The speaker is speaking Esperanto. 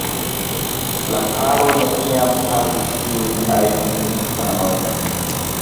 La paro neniam havis iujn ajn infanojn.